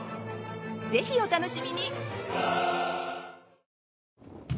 ぜひ、お楽しみに！